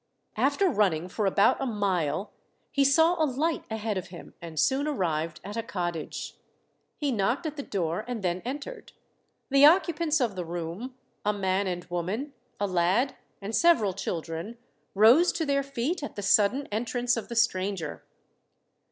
After running for about a mile he saw a light ahead of him, and soon arrived at a cottage. He knocked at the door, and then entered. The occupants of the room a man and woman, a lad, and several children rose to their feet at the sudden entrance of the stranger.